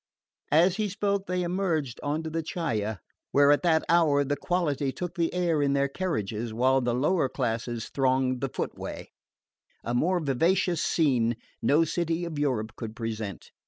As he spoke they emerged upon the Chiaia, where at that hour the quality took the air in their carriages, while the lower classes thronged the footway. A more vivacious scene no city of Europe could present.